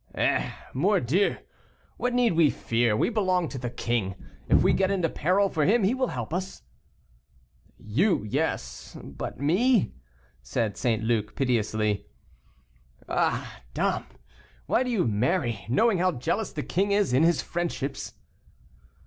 "Eh! Mordieu, what need we fear; we belong to the king. If we get into peril for him he will help us." "You, yes; but me," said St. Luc, piteously. "Ah dame, why do you marry, knowing how jealous the king is in his friendships?"